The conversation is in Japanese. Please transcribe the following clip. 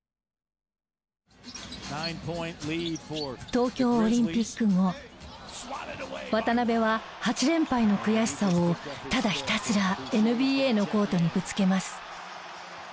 東京オリンピック後渡邊は８連敗の悔しさをただひたすらＮＢＡのコートにぶつけます。